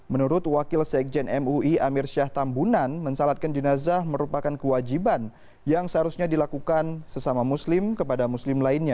menurut wakil sekjen mui amir syah tambunan mensalatkan jenazah merupakan kewajiban yang seharusnya dilakukan sesama muslim kepada muslim lainnya